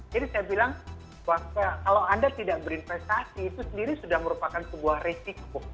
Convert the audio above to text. jadi saya bilang kalau anda tidak berinvestasi itu sendiri sudah merupakan sebuah risiko